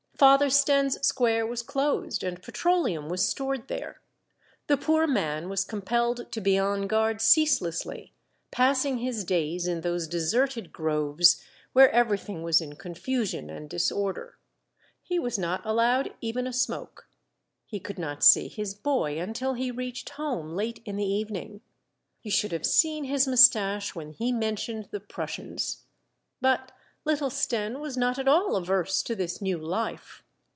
Father Stenne's square was closed, and petroleum 24 Monday Tales, was stored there ; the poor man was compelled to be on guard ceaselessly, passing his days in those deserted groves, where everything was in confusion and disorder. He was not allowed even a smoke. He could not see his boy until he reached home, late in the evening. You should have seen his mustache when he mentioned the Prussians ! but little Stenne was not at all averse to this new Hfe.